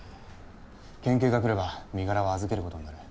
県警が来れば身柄は預けることになる。